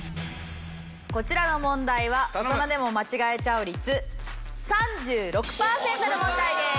こちらの問題は大人でも間違えちゃう率３６パーセントの問題です。